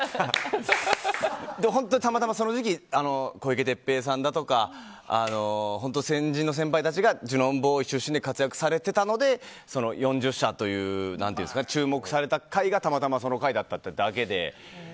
本当に、たまたまその時期小池徹平さんだとか先人の先輩たちがジュノンボーイで活躍されてたので、４０社というたまたま注目された回だったというだけで。